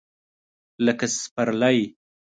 لکه سپرلی !